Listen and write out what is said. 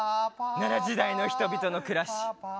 奈良時代の人々の暮らし。